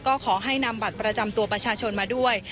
ก็ขอให้นำบัตรประจำตัวประชาชนมาด้วย